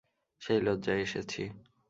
সেই লজ্জায় এসেছি।